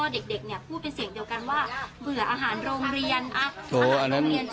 แล้วก็เด็กเนี่ยพูดเป็นเสียงเดียวกันว่าเบื่ออาหารโรงเรียน